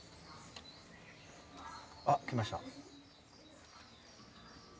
あっ来ました。